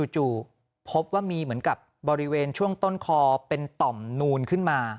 จู่พบว่ามีเหมือนกับบริเวณช่วงต้นคอเป็นต่อมนูนขึ้นมา